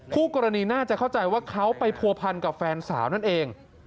คู่กรณีน่าจะเข้าใจว่าเขาไปผัวพันกับแฟนสาวนั่นเอง